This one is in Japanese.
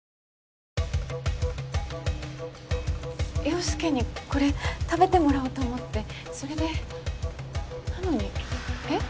陽佑にこれ食べてもらおうと思ってそれでなのにえっ？